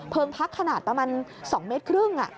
พักขนาดประมาณ๒เมตรครึ่ง